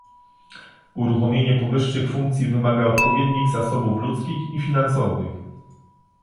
Uruchomienie powyższych funkcji wymaga odpowiednich zasobów ludzkich i finansowych